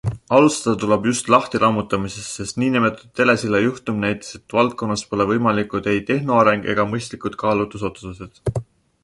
Alustada tuleb just lahtilammutamisest, sest nn telesilla juhtum näitas, et valdkonnas pole võimalikud ei tehnoareng ega mõistlikud kaalutlusotsused.